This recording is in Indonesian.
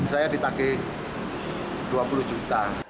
saya ditagih dua puluh juta